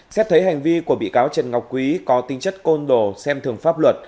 xét thấy hành vi của bị cáo trần ngọc quý có tính chất côn đồ xem thường pháp luật